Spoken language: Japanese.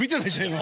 今。